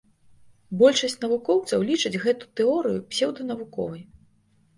Большасць навукоўцаў лічаць гэту тэорыю псеўданавуковай.